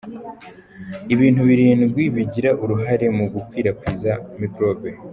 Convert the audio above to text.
Ibintu birindwi bigira uruhare mu gukwirakwiza mikorobe